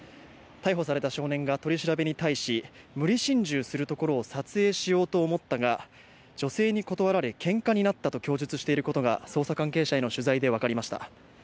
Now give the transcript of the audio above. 逮捕された少年は取り調べに対し無理心中するところを撮影しようと思ったが女性に断られ、けんかになったと供述していることが捜査関係者への取材で分かりました。